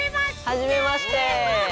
はじめまして！